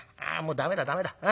「駄目だ駄目だ。